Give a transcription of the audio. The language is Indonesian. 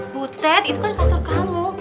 butet itu kan kasur kamu